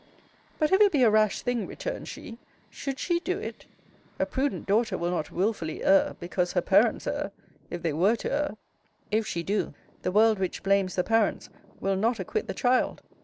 But, if it be a rash thing, [returned she,] should she do it? A prudent daughter will not wilfully err, because her parents err, if they were to err: if she do, the world which blames the parents, will not acquit the child.